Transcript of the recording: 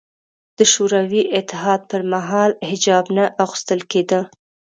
د شوروي اتحاد پر مهال حجاب نه اغوستل کېده